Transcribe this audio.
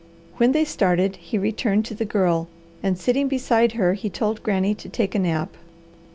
When they started he returned to the Girl and, sitting beside her, he told Granny to take a nap.